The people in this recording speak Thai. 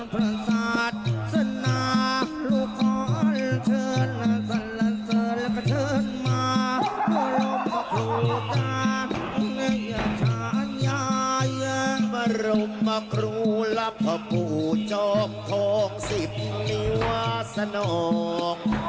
เพื่อมารมมาครูลับพ่อปู่จองทองสิบนิวาสนอง